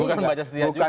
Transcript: bukan pembaca setia juga